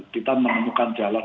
kita menemukan jalan